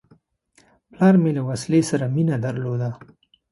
پلار مې له وسلې سره مینه درلوده.